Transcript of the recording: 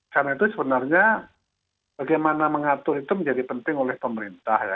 karena itu sebenarnya bagaimana mengatur itu menjadi penting oleh pemerintah ya